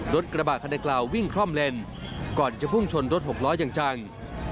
รถกระบะคันดังกล่าววิ่งคล่อมเลนก่อนจะพุ่งชนรถหกล้ออย่างจัง